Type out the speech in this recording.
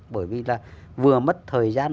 bởi vì là vừa mất thời gian